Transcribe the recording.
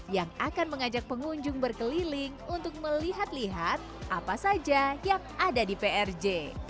yang akan mengajak pengunjung berkeliling untuk melihat lihat apa saja yang ada di prj